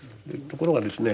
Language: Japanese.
ところがですね